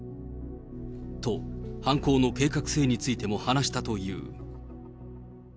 と、犯行の計画性についても話したという。